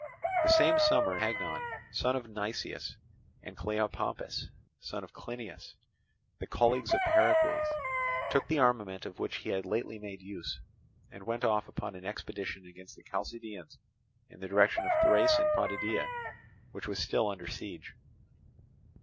The same summer Hagnon, son of Nicias, and Cleopompus, son of Clinias, the colleagues of Pericles, took the armament of which he had lately made use, and went off upon an expedition against the Chalcidians in the direction of Thrace and Potidæa, which was still under siege.